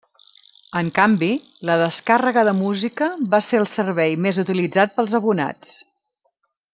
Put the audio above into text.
En canvi, la descàrrega de música va ser el servei més utilitzat pels abonats.